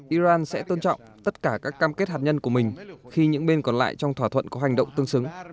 iran sẽ tôn trọng tất cả các cam kết hạt nhân của mình khi những bên còn lại trong thỏa thuận có hành động tương xứng